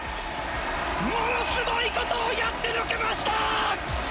ものすごいことをやってのけました。